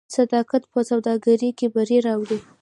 صداقت په سوداګرۍ کې بری راوړي.